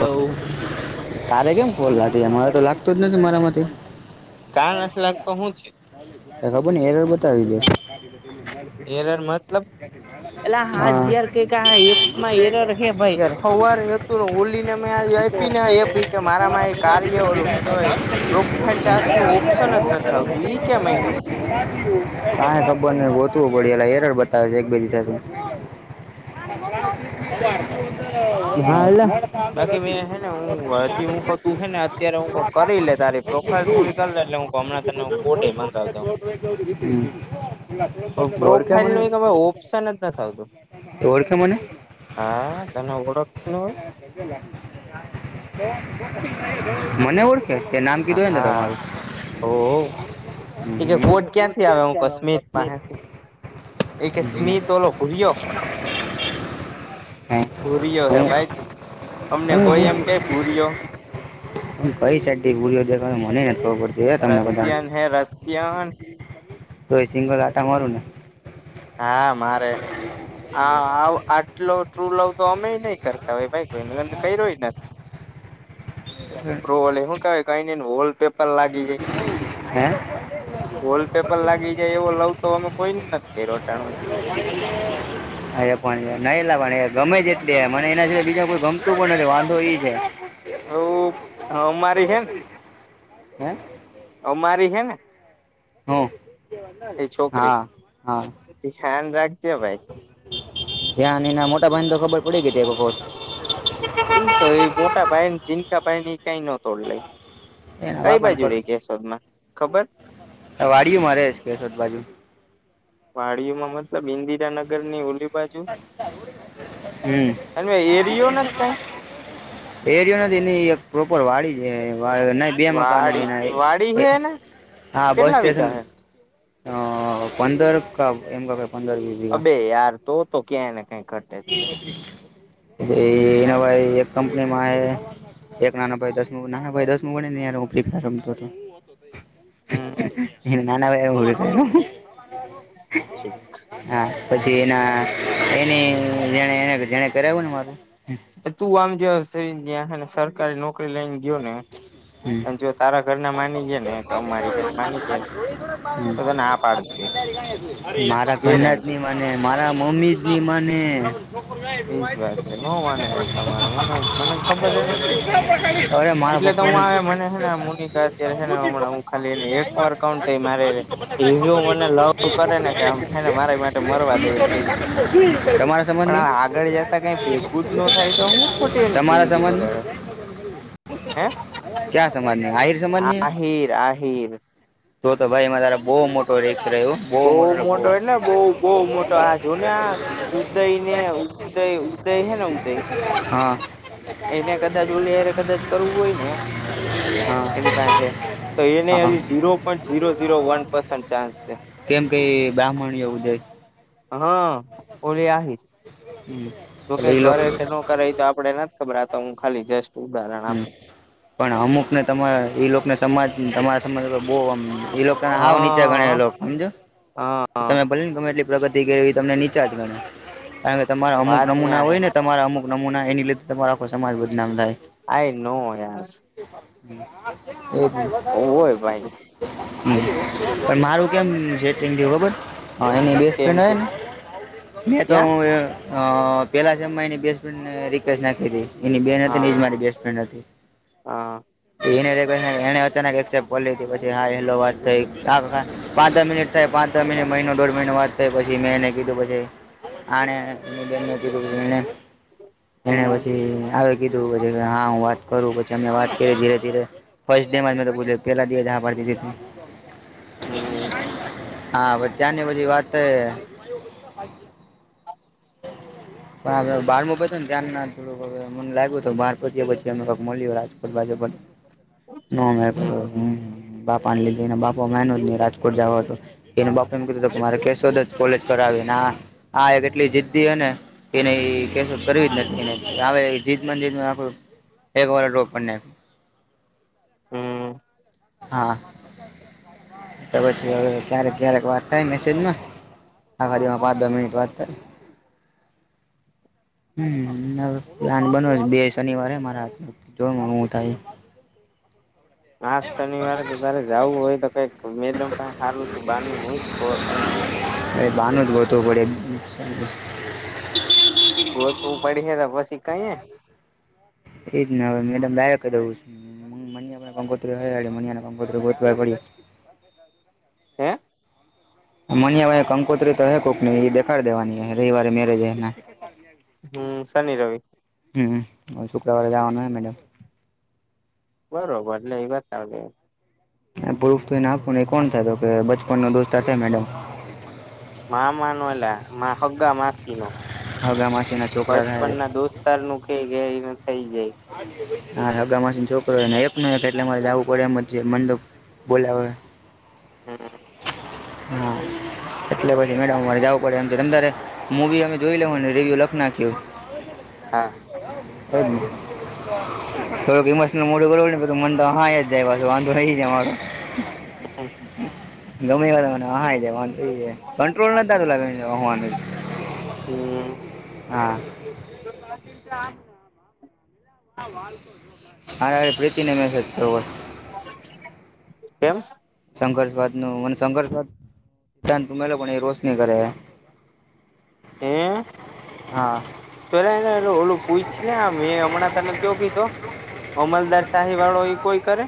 Hello તારે કેમ call લાગે અમારે તો લાગતું જ નથી મારામાંથી કા નથી લાગ તો હું છે એ ખબર ની એરર બતાવી દે એરર મતલબ એલા હા જયાર કાકા એ એપ મા એરર હે ભાઈ તારો સવાર હતું ને ઓલી ને મેં આપી ને એપ કે મારામાં એ કાર્ય ઓલું હું કેવાય પ્રોફાઈલ ટાસ્ક નું ઓપ્શન જ નથી આવતું ઈ કેમય હે કાય ખબર નહ ગોતવું પડે ઓલા એરર બતાવે છે એકબ સાથે હા એલા બાકી મેં હે ને હું હજી હું ક તું હે ને અત્યારે હું ક કરી લે તારે પ્રોફાઈલ પૂરી કરીે એટલેું ગમણા તરને કોડે ઓળખે પ્રોફાઈલ મને નો ઓપ્શન જ નથી આવતું ઓળખે મને હા તને ઓળખને હોય મને ઓળ ઓકે તે નામ કીધું ને હા તમારું ઓ એ કોટ ક્યાંથી આવે હું કશમીર પાસેથી એ કે સ્મિત ઓલો ઘૂરિયા ભૂ કશ્મીર રિયો હે હું ભાઈ તું અમને કોઈ એમ હું કે ભૂરિયો [unintelligible] નથી ખબર પડતી તમને બધા રશિયન હે રશિયન ની તો એ સિંગલ આટા મારું ને હા મારે હા આટલો ટ્રુ લવ તો અમે નહી કરતા હોય ભાઈ કોઈ ને અને અમે રહ્યો નથી [unintelligible] [inaudible] રોલ એ હુ કેવાય કઈને વોલ પેપર લાગી જાય હે વોલ પેપર લાગી જાય એવો લઉ તો અમે કોઈ નથી કર રોટાણથી હ પણ નાયલા પણ ગમે છે એટલી મને એના સિવા બીજા કોઈ ગમતું પણ નથી વાંધો એ છે એવુ હ મારી છે ને હે અમારી હૈ ને હ એ છોકરી હા હા ધ્યાન રાખજે ભાઈ ત્યાં એના મોટા ભાઈને તો ખબર પડી ગઈ તી એક વખત એ તો એ મોટા ભાઈન જીઅને નકા ભાઈન કઈ ન તોડ લય એના બાપ ખબર વાડિયું મારેજ કેજ બાજુ મા વાડીમાં મતલબ ઈન્દિરાનગર ની ઓલી બાજુ હમ એ એરિયો નથી કઈ? એરિયો નથી એની એક પ્રોપર વાડી છે. વાડી વાડી હે ને [unintelligible] હા બસ કેટલા સ્ટેશન વીઘા હે અ પંદર કા એમ ક પંદર વીસ અબે યાર તો તો ક્યાંય ને કઈક એ હવારે એક કંપનીમાં એ એક નાના ભાઈ દસમું નાના ભાઈ દસ મું ભળી ને રમતો હમ એ નાના ભાઈ [unintelligible] હા પછી એના એનીને એને જેને કરાવું ને મારું તું આમ જેવા ત્યાં ને સરકારી નોકરી લઈને [unintelligible] ગયો ને જી અને જો તારા ઘરના માની ગયા ને અમારી ઘેર માની ગયા ને તો તને હા પાડ દે [inaudible] મારા ઘરનાજ ગેરંટી ની માને મારા મમ્મી ની માને, એજ વાત છે નો માને યાર તમારે મને મને ખબર હે ને નઆ [inaudible] એટલે તો હું આવે મને હે ને અરે મોનિકા અત્યારે હે ને હમણાં હું મારા ખાલી એને એક વાર કઉ તે મારે પપ્પા એવો મને લવ [unintelligible] કરે ને કે આમ હેને મારા માટે મરવા [unintelligible] તૈયાર થઈ ગઈ. તમારી પણ આ આગળ જતા કઈ બંધ ભેગું જ ન થાય તો હું ખોટી એની તમારા જિંદગી બગાડે સંબંધ? હે? ક્યાં સમાજની આહિર સમમાજની? આહીર આહીર જો તો ભાઈમાં ત બહુ મોટો રીસ્ક રહ્યો બહુ મોટ બહ મોટો એટલે બહુ બહુ મોટો આ જો ને આ ઉદય ને ઉદય ઉદય હે ને ઉદય [unintelligible] હા એને કદાચ ઓલેયરે કદાચ કરવું હોય ને એની હા પાસે તો એને હા હજુ zero point zero zero one point chance છે. કેમ કે ઈ? એ બ્રાહ્મણ યો ઉદઈ. હા ઓલે આવી? હમ જોકે એટલે એ લોકો કરે કે ન કરે એ તો આપડે નથી ખબર હું ખાલી જસ્ટ ઉદાહરણ હમ આપું. પણ અમુક ને તમારા એ લોકોને સમાજ તમારા સમાજ બહ એ લોકો તને હાવ નીચે હા ગણલો સમજો હા તમે ભલે ને ગમે એટલી પ્રગતિ કરવી તમને નીચા જ ગને કારણ કે તમારા અમુક વાત નમૂના ત્યાં હે હોય ને તમારા અમુક નમૂના એની લીધે તમારો આખો સમાજ બદનામ થાય. આ નો યાર બ એવું [inaudible] હોય ભાઈ પણ મારું કેમ સેટિંગ થું બબર? હા એની બેસ્ટ કેમ ફ્રેન્ડ છે હોયને, મે તો ક્યાં અ પેલા અમાં એની બેસ્ટ ફ્રે રિક્વેસ્ટ નાખી હતી એની બેન હતી એજ હા મારી બેસ્ટ એ હા એને અચાનક એસેપ્ટ કર લીધી પછી હા હેલો વાત થ હમ પાચ મિનિટ થાય પાંચ મિનિટ મહિનો દોઢ મહિનો વાત થાય પછી મેં એને કીધું પછી આણે એને બેન નને કીધુંએણે હ [inaudible] એને પછી આવે કીધું પછ કે હા હું વાત કરું પછી અને વાત કરી ધીરે ધીરે ફર્સ્ટ ડેમાં તો પેલાે દી એ જ મે હા પાડી હમ હા પ ત્યાંની બધી વાત તો [inaudible] પણ બાર માં પતયુ ને ધ્યાન ના થોડું હ મને લાગ્યું તો બહાર પંયા પછી અમે કઈક મળ્યું કરવા જ બન [inaudible] ના મેળ પડયો હમ બાપા ને લીધે બાપા મેનો જ નહી રાજકોટ જવા હતો. એ બાપ એમ કીધું કે મારે કેશોદ જ કોલેજ કરાવી આવીને કેટલી જીદ અને એને કેસો કરવી જ નથી એ હ જીદમાં જીદમાં આખું એક વાર ડ્રોપ કર નાખ્યોં. [inaudible] હા પછી હવે ક્યારેક ક્યારેક વાત થાય મેસેજ માં આખા દિવસ માં પાંચ દસ મિનિટ વાત થાય? [inaudible] હમ્મ હવે પ્લાન બન બે શનિવારે મારા જો હું થાય. આ શનિવારે તો તારે જવું હોય તો, કઈક મેડમ સારું બાર હોય થાય. અરે બાનું જ ગતું પડે [unintelligible] ગોતવું પડશે પછી ક્યે? એજ હ મેડમ લાય ક દઉ મનિયા પછે કંકોત્રી મનીયા ણી કંકોત્રી [unintelligible] હે મનિયા પાહે કંકુત્રી તો હે, કોકની એ દેખા દેવાની રવિવારે મેરેજ હને. [inaudible] હમ્મ શનિ રવિ હમ્મ હ શુક્રવારે જવાનું હોય, મેડમ બરોબર એટલે એ વાત આવે પ્રુફ તો એ ના આપ એ કોણ થાય, તો કે બચપન નો દોસ્તર મેડમ મામા ન એલા મા હગ્ગા માસી નો હગા માસીના છોકરા બસપણ થાય ના દોસ્ત તાર નું કે ગ એને થઇ જાય. હા, હગામાં છોકરોને એક ન એક એટલે મારે જવું પડે એમ જે મંડપ બોલ્યા હો હમ હા, એટલે પછી મેડમ અમારે જવું પડે એમ ત તારે મૂવી અમે જોઈ લેવ ને રેવ લખનાખ્યું. હા [unintelligible] થોડોક ઇમોશનલ મોડ કરને મન તો હ જાય પાછ વાંધો નહી જ [unintelligible] [unintelligible] ગમે એ ત મને [unintelligible] જ કંટ્રોલ નતા એલા. હમ્મ હા, [unintelligible] હારે હારે પ્રીતિને મેસેજ કરવો, કેમ, સંઘર્ષવાદ નું મને સંઘર્ષવાદ [unintelligible] તુમે લોકો કો રોશની કરે હે, હે. હા, પેલા એને ઓલું પૂછ ને આ મે એ હમણાં તને કેવો કીધો? અમલદાર શાહી વાળો એ કોઈ કરે?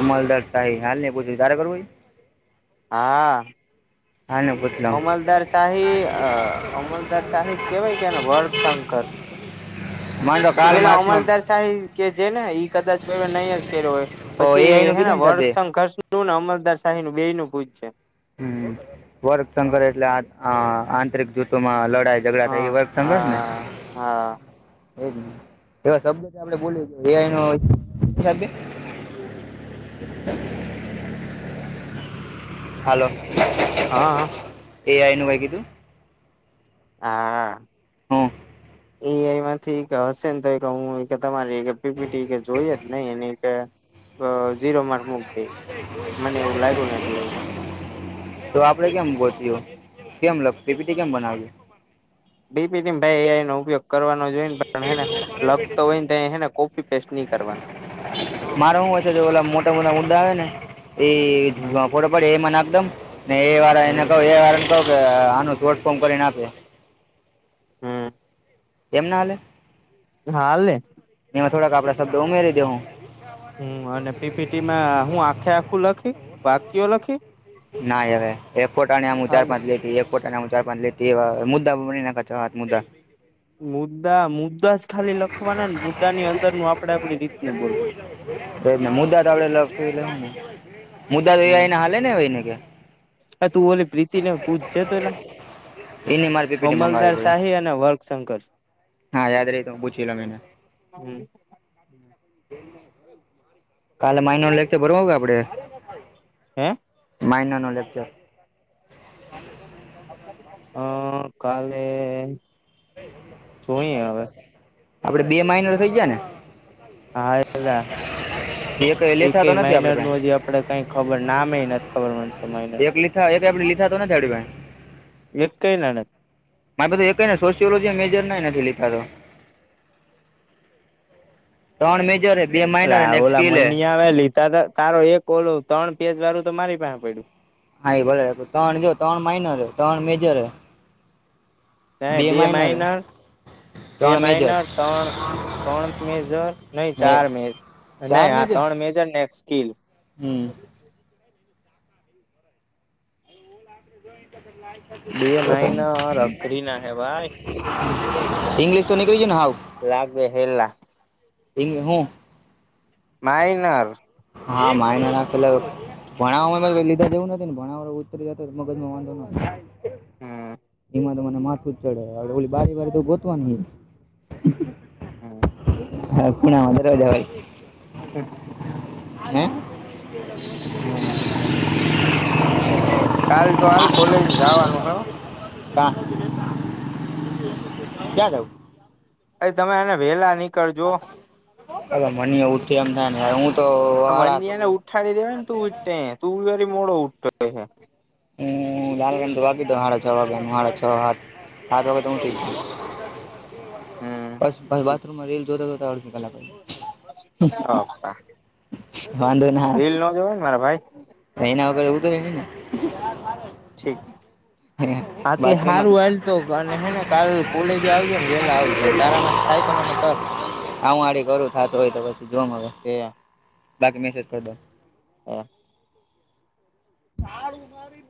અમલદરશાહી હાલ ન પૂછું તારા કરુ વો ઈ? હા, હા [inaudible] અમલદાર શાહી અમલદાર શાહી કેવાય કે ને વર્ગશંકર? [unintelligible] મારે તો તુ કાલ પેલા માર્ક્સનો અમલદાર શાહી કે જે ને કદાચ કોઈ નહી જ કર્યો હોય, પછી એઆઈ નું કીધું હેના ને વર્ગ સાહેબે સંંકર્ષ નું અમલદાર શાહી નું બે નું પૂછ જ જે. હમ વર્ગશંકર એટલે આંતરિક જૂથો માં લડાાય ઝઘડા થાય હા એ વર્ગ સંઘસ ને હા હા એજ એવા શબ્દ આપડે બોલી [unintelligible] હાલો હા, એ આઈનું કઈ કીધું? હા, [unintelligible] એઆઈ માંથી હશે ને તો હું તમારી પીપીટી કે જોઈએ જ ને એની કેીરો માર્ક મૂક દે મને એવું લાગ્યું ને એટલે [unintelligible] તો આપડે કેમ ગોત્યો કેમ લખતીપીટી કેમ બનાવી બી પી ભાઈનો ઉપયોગ કરવાનો જો હને લખતો હોય ને તોને કોપી પેસ્ટ નહી કરવાની મારો હું હોય છે તો ઓલા મોટા મોટા ડદા આવે ને એ હમ ફોટો પડે એમાં નાખ દમ ને એ વાળા એને કહો હમ એ વાળ ને કહ કે આનું શોટ ફોર્મ કરી નાખે હમ એમનાલેે હાારને એમાં થોડા આપડા શબ્દ ઉમેરી દે હુ હમ અને પીપીટીીમાં હું આખે આખું લખી વાક્યો લખી. ના હવે એક ફોટા આમું ચાર ખાલી પાચ લી પોટા ના ચાર પાંચ લ મુદ્ા બ ના છ, હત મુદ મુદ્દા મુદ્દા જ ખાલી લખવાના ને મુદ્દા ની અંદર નું આપડે આપડી રીતનું બોલવુ. જ મુદ્દા તો આપડે લ લને મુદ્દા તોને હાલે ને હોય, ને કે આ તું ઓની પ્રીતિને પૂછ જતો એ એને મારે પીપીટી મંગાવી અમલદાર પડ્યું શાહી. વર્ગશંકર હા યાદ રહીી હુ પૂછી લો મેને હમ હ કાલે માિનો લેખ ભરવા આપડે હ માઇનાનો લેક્ચર હ કાલે. જોઈએ હવે આપડે બે માિન થઇ જાય ને હા એલા એક ક લેતા તો નથી આપડે માિનર પાસે નું હજી આપડે કઈ ખબર નામે નથી ખબર મતો મા આપણે લીધા તો નથીડી ભાઈ એ કઈ ના મારે એ કને સોશિયોલોજી મેજર ના નથી લીધા તો. ત્રણ મેજર બે માઇનર અને એક ઓલા સ્કીલ હે મની આવે લીધા તારો એક ઓલો ત્રણ પેજ વાળું તો મારી પાસે પડ્યુ હા, એ બો ત્રણ જો ત્રણ માઇનર હ ત્રણ મેજર હ ના બે હે માિનર બે ત્રણ મેજર મહિનર ત્રણ ત્રણ મેજર નહી ને ચાર મે નહી હા ત્રણ મેજર ને એક સ્કીલ હમ [unintelligible] બે માઈના રખરી ને આયા ભાઈ. ઇંગ્લિશ તો નીકળી ગયું ને હાવ. લાગે હેલ્લા. ઈ હું. માઇનર હા માય ના નાખલા ભણાવવામાં લીધા જેવું નથી ને ભણ ઉતરી જતા મગજ માં વાંધો ન નથી. હમ એમાં મને માથું જ ચડે ઓલી બારી બારી તો ગોતવા નહ હમ હા પુણામાંજાવા હમ હે. હમ. કાલ તો હાલ કોલેજે જાવાનું હે હો. કાં ક્યાં જાઉ. અ તમે એને વેલા ની. અરે મનીયો ઊઠે એમ થ ને હ. આ મન્યાંને ઉઠાડી દેવાય તુ ઊઠ તયે તું જ હજુ મોડો ઉઠતો હશે. હમ લાલ રણ તો વાગી દ હાડા છ વાગ્યાનું હાડા છ હાત. હાત વાગ્યે તો હું ઊઠી જવું. હમ પછી બાથરૂમમાં રીલ જોતા જોતા અડધી કલાક વઈ જાય. ના રીલ આવે નો જોવાઈ ને મારા ભાઈ. એના વગર ઉતરે નઈ ને. [unintelligible] હા તે બાથરૂમમાં હારું હાલ તો અને હે ને કાલ કોલેજે આવજો ને વેલા આવજો અને તારામાં થાય તો મને. કર. હા હું આઘડી કરું થાતું હોય તો પછી જો હવે એ બાકી મેસેજ કરી દો. હ. તાળુ મારી.